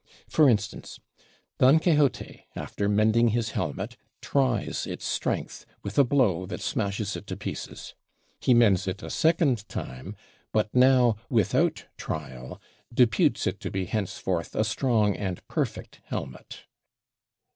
For instance: Don Quixote, after mending his helmet, tries its strength with a blow that smashes it to pieces. He mends it a second time, but now, without trial, deputes it to be henceforth a strong and perfect helmet.